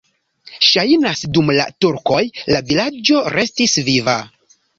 Ŝajnas, dum la turkoj la vilaĝo restis viva.